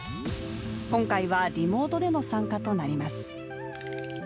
今回は、リモートでの参加となります。